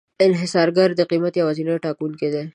انحصارګر د قیمت یوازینی ټاکونکی وي.